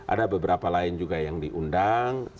ada beberapa lain juga yang diundang